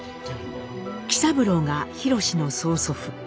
喜三郎がひろしの曽祖父。